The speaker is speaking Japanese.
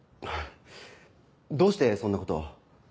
どうしてそんなことを？